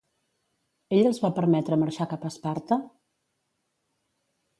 Ell els va permetre marxar cap a Esparta?